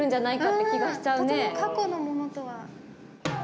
とても過去のものとは。